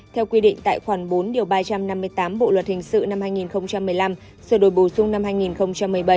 theo quy định tại khoản bốn ba trăm năm mươi tám bộ luật hình sự năm hai nghìn một mươi năm sửa đổi bổ sung năm hai nghìn một mươi bảy